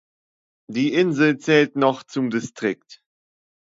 Die Insel zählt noch zum Distrikt.